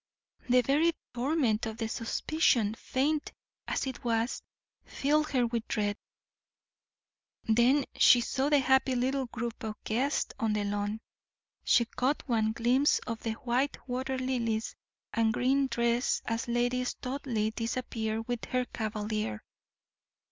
The very torment of the suspicion, faint as it was, filled her with dread. Then she saw the happy little group of guests on the lawn, she caught one glimpse of the white water lilies and green dress as Lady Studleigh disappeared with her cavalier.